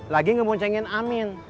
lagi ngebuncengin amin